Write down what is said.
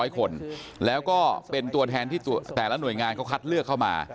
คนแล้วก็เป็นตัวแทนที่แต่ละหน่วยงานเขาคัดเลือกเข้ามา